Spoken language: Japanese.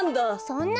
そんな！